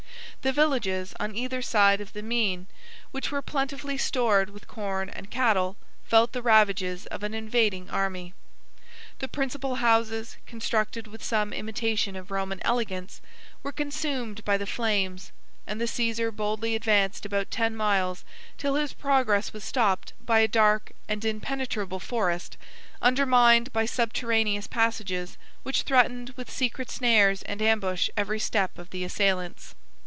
The villages on either side of the Meyn, which were plentifully stored with corn and cattle, felt the ravages of an invading army. The principal houses, constructed with some imitation of Roman elegance, were consumed by the flames; and the Cæsar boldly advanced about ten miles, till his progress was stopped by a dark and impenetrable forest, undermined by subterraneous passages, which threatened with secret snares and ambush every step of the assailants.